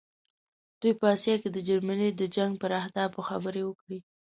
دوی په آسیا کې د جرمني د جنګ پر اهدافو خبرې وکړې.